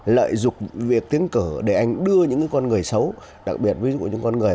lợi dụng việc tiến cử để anh đưa những con người xấu đặc biệt ví dụ những con người